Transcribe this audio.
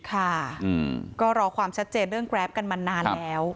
ค่ะก็รอความชัดเจนเรื่องแกรปกันมานานแล้ว